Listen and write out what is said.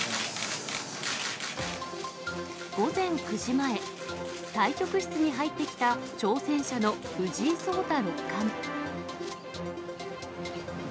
午前９時前、対局室に入ってきた、挑戦者の藤井聡太六冠。